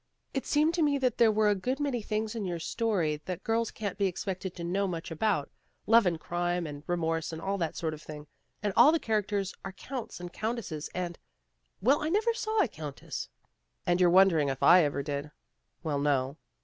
" It seemed to me that there were a good many things in your story that girls can't be expected to know much about, love and crime and remorse and all that sort of thing. And all the characters are counts and countesses and Well, I never saw a countess " And you're wondering if I ever did. Well, no."